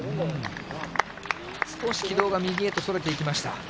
少し軌道が右へとそれていきました。